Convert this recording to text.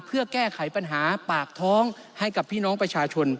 เพื่อแก้ไขปัญหาปากท้องให้กับพี่น้องประชาชน